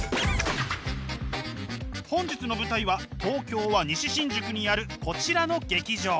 本日の舞台は東京は西新宿にあるこちらの劇場。